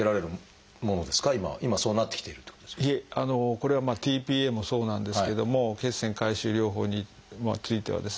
これはｔ−ＰＡもそうなんですけども血栓回収療法についてはですね